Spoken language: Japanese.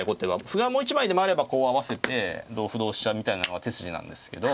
歩がもう一枚でもあればこう合わせて同歩同飛車みたいなのが手筋なんですけど。